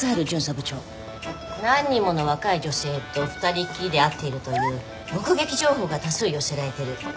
何人もの若い女性と２人きりで会っているという目撃情報が多数寄せられてる。